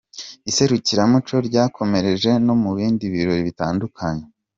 Iserukiramuco ryakomereje no mu bindi birori bitandukanye.